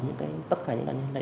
tất cả những nạn nhân này